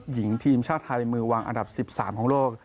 หญิงทีมชาติไทยมือวางอันดับ๑๓ของโลก